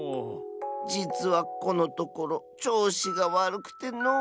じつはこのところちょうしがわるくてのう。